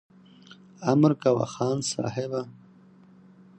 امر کوه خان صاحبه !